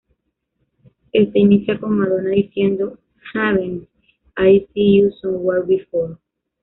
Este inicia con Madonna diciendo: "Haven't I seen you somewhere before?